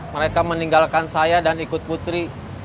mereka meninggalkan saya dan ikut putri